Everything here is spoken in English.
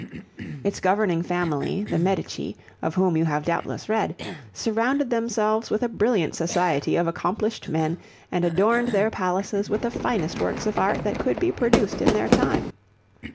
Its governing family, the Medici, of whom you have doubtless read, surrounded themselves with a brilliant society of accomplished men, and adorned their palaces with the finest works of art that could be produced in their time.